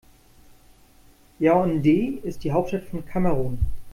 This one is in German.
Yaoundé ist die Hauptstadt von Kamerun.